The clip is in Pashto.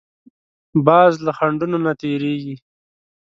باز له خنډونو نه تېرېږي